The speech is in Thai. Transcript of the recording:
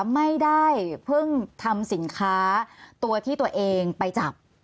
ไม่ได้เพิ่งทำสินค้าตัวที่ตัวเองไปจับ